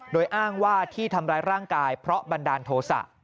โดยอ้างว่าที่ทำร้ายร่างกายเพราะบันดาลโทษะ